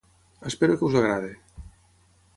Esper que us agradi.